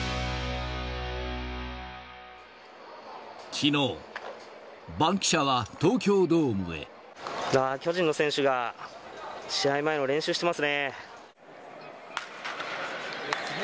きのう、バンキシャは東京ド巨人の選手が、試合前の練習してますね。